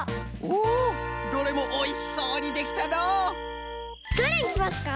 おおどれもおいしそうにできたのうどれにしますか？